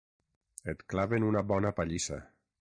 Et claven una bona pallissa.